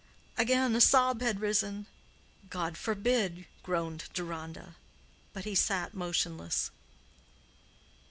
Again a sob had risen. "God forbid!" groaned Deronda. But he sat motionless.